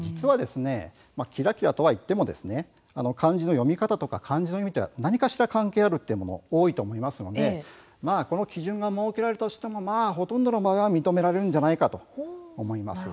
キラキラといっても名前の漢字の読み方や意味と何かしら関係のある方が多いと思うので、この基準が設けられたとしてもほとんどの場合は認められるのではないかと思います。